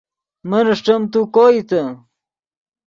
من اݰٹیم تو کوئیتے